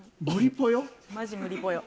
マジ無理ぽよ。